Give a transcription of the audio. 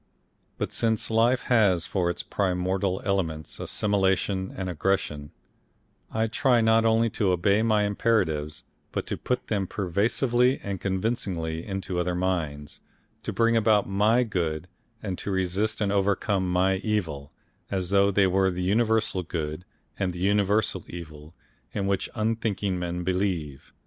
But since life has for its primordial elements assimilation and aggression, I try not only to obey my imperatives, but to put them persuasively and convincingly into other minds, to bring about my good and to resist and overcome my evil as though they were the universal Good and the universal Evil in which unthinking men believe.